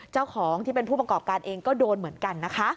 เจ้าของที่เป็นผู้ประกอบการเองก็โดนเหมือนกันนะคะ